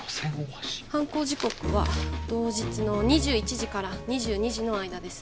犯行時刻は同日の２１時から２２時の間です